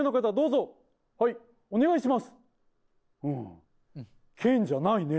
次お願いします。